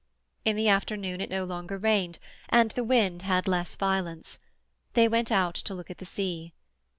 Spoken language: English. In the afternoon it no longer rained, and the wind had less violence. They went out to look at the sea.